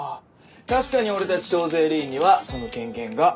確かに俺たち徴税吏員にはその権限がある。